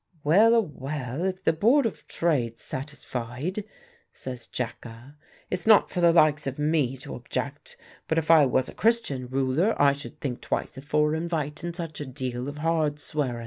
"Well a well, if the Board of Trade's satisfied," says Jacka, "it's not for the likes of me to object. But if I was a Christian ruler I should think twice afore invitin' such a deal of hard swearin'."